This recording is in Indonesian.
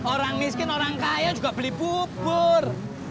orang miskin orang kaya juga beli bubur